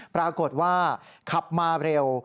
ปรากฏว่าขับมาเร็ว